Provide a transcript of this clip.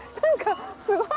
すごい！